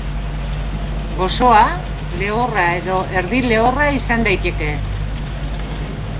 Gozoa, lehorra edo erdi-lehorra izan daiteke.